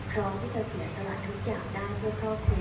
พร้อมที่จะเสียสละทุกอย่างได้เพื่อครอบครัว